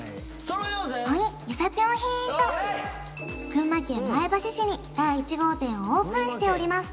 群馬県前橋市に第１号店をオープンしております